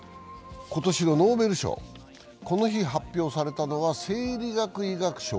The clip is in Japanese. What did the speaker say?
今年のノーベル賞、この日発表されたのは生理学・医学賞。